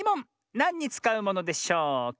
なんにつかうものでしょうか？